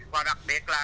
và đặc biệt là